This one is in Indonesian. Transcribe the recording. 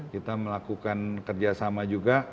kita melakukan kerjasama juga